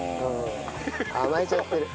甘えちゃってる。